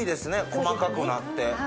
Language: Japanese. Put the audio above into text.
細かくなって。